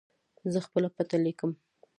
زه خپله پته لیکم.